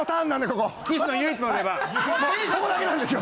ここだけなんで今日。